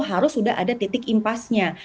harus sudah ada titik impasnya